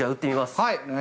◆はい！